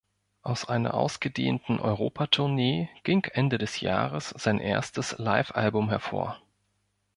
Aus einer ausgedehnten Europatournee ging Ende des Jahres sein erstes Livealbum hervor.